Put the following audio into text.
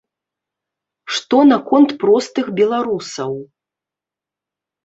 Што наконт простых беларусаў?